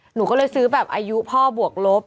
หนูก็เลยซื้อแบบอายุพ่อบวกลบ